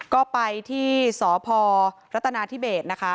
ก็ไปที่สพรัตนาธิเบศ